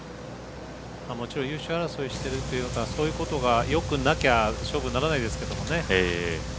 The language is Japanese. もちろん優勝争いしているというのはそういうことがよくなきゃ勝負にならないですけどね。